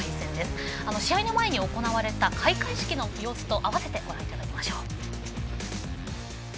試合の前に行われた開会式の様子と併せてご覧ください。